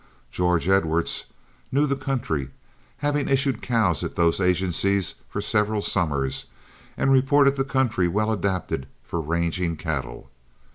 George Edwards knew the country, having issued cows at those agencies for several summers, and reported the country well adapted for ranging cattle.